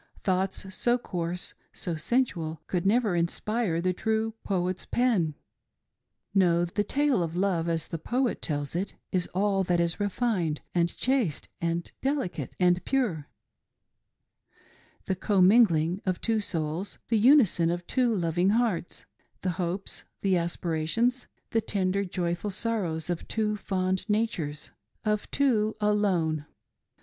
Thoughts so coarse, so sensual, could never in spire the true poet's pen. No ; the tale of love as the poet tells it, is all that is refined, and chaste, and delicate, and pure + the commingling of two souls, the unison of two loving hearts, the hopes, the aspirations, the tender joyful sorrows of two fond natures — of two alone!